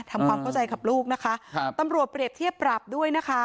ทำความเข้าใจกับลูกนะคะครับตำรวจเปรียบเทียบปรับด้วยนะคะ